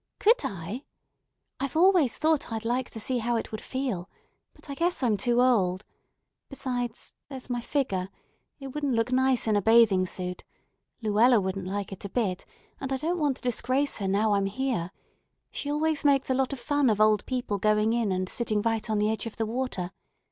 Could I? I've always thought I'd like to see how it would feel, but I guess I'm too old. Besides, there's my figger. It wouldn't look nice in a bathing suit. Luella wouldn't like it a bit, and I don't want to disgrace her, now I'm here. She always makes a lot of fun of old people going in and sitting right on the edge of the water.